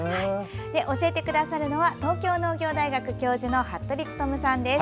教えてくださるのは東京農業大学教授の服部勉さんです。